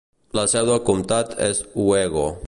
La seu del comtat és Owego.